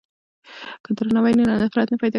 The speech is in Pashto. که درناوی وي نو نفرت نه پیدا کیږي.